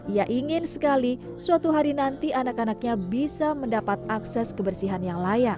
ia ingin sekali suatu hari nanti anak anaknya bisa mendapat akses kebersihan yang layak